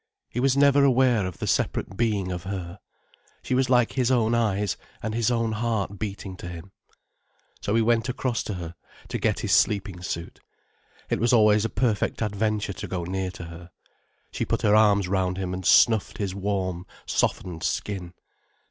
He was never aware of the separate being of her. She was like his own eyes and his own heart beating to him. So he went across to her, to get his sleeping suit. It was always a perfect adventure to go near to her. She put her arms round him, and snuffed his warm, softened skin.